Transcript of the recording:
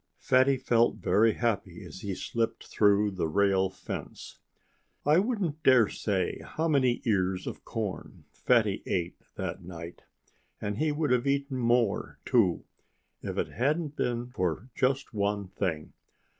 Fatty felt very happy as he slipped through the rail fence. I wouldn't dare say how many ears of corn Fatty ate that night. And he would have eaten more, too, if it hadn't been for just one thing.